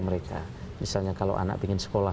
mereka misalnya kalau anak ingin sekolah